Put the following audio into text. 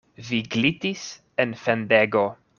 Vi glitis en fendego.